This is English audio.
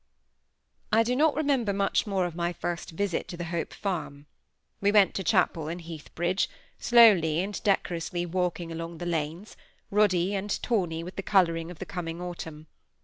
I do not remember much more of my first visit to the Hope Farm. We went to chapel in Heathbridge, slowly and decorously walking along the lanes, ruddy and tawny with the colouring of the coming autumn.